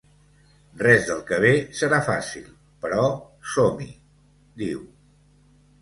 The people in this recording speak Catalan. Res del que ve serà fàcil, però som-hi, diu.